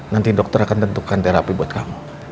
nanti dokter akan tentukan terapi buat kamu